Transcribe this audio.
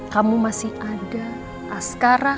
kamu masih ada askara